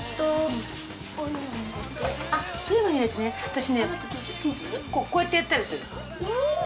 私ねこうやってやったりする。